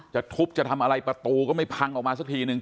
จะทุบจะทำอะไรประตูก็ไม่พังออกมาสักทีนึง